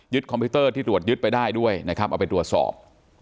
คอมพิวเตอร์ที่ตรวจยึดไปได้ด้วยนะครับเอาไปตรวจสอบ